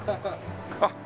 あっ